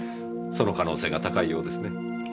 その可能性が高いようですね。